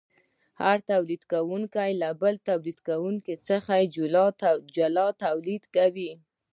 هر تولیدونکی له بل تولیدونکي څخه جلا تولید کوي